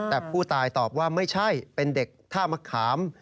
แต่ผู้ตายตอบว่าไม่ใช่เป็นเด็กท่ามะขาม